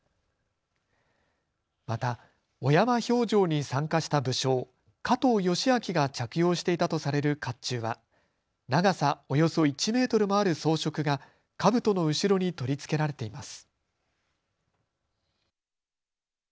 また小山評定に参加した武将、加藤嘉明が着用していたとされるかっちゅうは長さおよそ１メートルもある装飾がかぶとの後ろに取り付けられています。